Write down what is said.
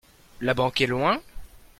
La banque est loin ?